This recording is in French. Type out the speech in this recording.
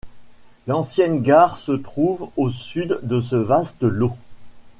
L'ancienne gare se trouve au sud de ce vaste lot.